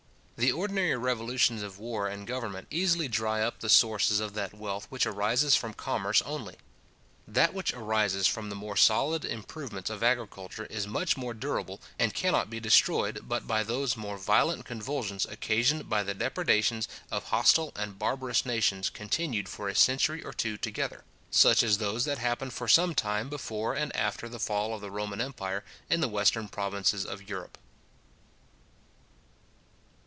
The ordinary revolutions of war and government easily dry up the sources of that wealth which arises from commerce only. That which arises from the more solid improvements of agriculture is much more durable, and cannot be destroyed but by those more violent convulsions occasioned by the depredations of hostile and barbarous nations continued for a century or two together; such as those that happened for some time before and after the fall of the Roman empire in the western provinces of Europe.